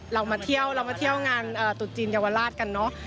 เรามาเที่ยวงานตรุจจีนยาวราชกันเนอะ